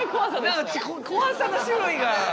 何か怖さの種類が。